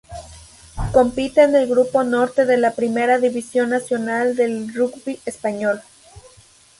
Compite en el Grupo Norte de la Primera División Nacional del rugby español.